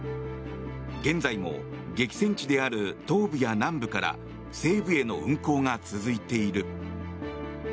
現在も激戦地である東部や南部から西部への運行が続いている。